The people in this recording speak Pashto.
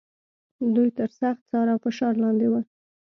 دوی تر سخت څار او فشار لاندې و.